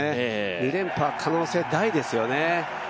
２連覇、可能性大ですよね。